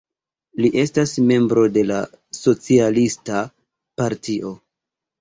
Li estas membro de la Socialista Partio.